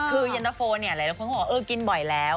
คือแยนตะโฟเที่ยวอะไรเขาก็บอกว่าเออกินบ่อยแล้ว